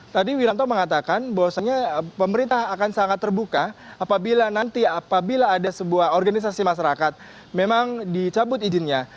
tadi wiranto mengatakan bahwasannya pemerintah akan sangat terbuka apabila nanti apabila ada sebuah organisasi masyarakat memang dicabut izinnya